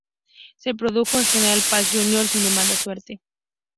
Se probó en General Paz Juniors sin demasiada suerte.